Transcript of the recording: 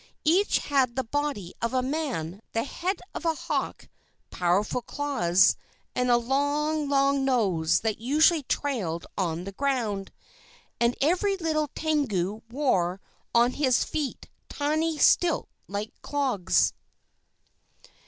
Each had the body of a man, the head of a hawk, powerful claws, and a long, long nose that usually trailed on the ground. And every little Tengu wore on his feet tiny stilt like clogs.